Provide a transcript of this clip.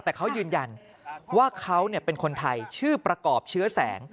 แต่เขายืนยันว่าเขาเป็นคนไทยชื่อประกอบเชื้อแสง